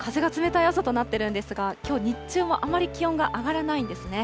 そして風が冷たい朝となっているんですが、きょう日中もあまり気温が上がらないんですね。